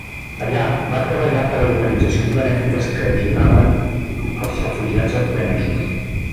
Allà va treballar per a organitzacions benèfiques que ajudaven els refugiats afganesos.